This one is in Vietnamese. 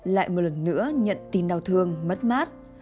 lại một lần nữa nhận tin đau thương mất mát